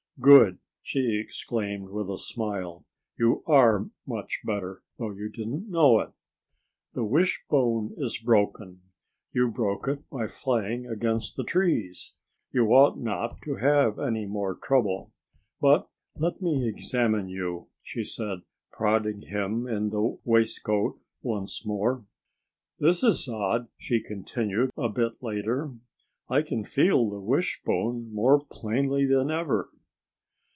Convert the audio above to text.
"Good!" she exclaimed with a smile. "You are much better, though you didn't know it. The wishbone is broken. You broke it by flying against the trees. And you ought not to have any more trouble. But let me examine you!" she said, prodding him in the waistcoat once more. "This is odd!" she continued a bit later. "I can feel the wishbone more plainly than ever."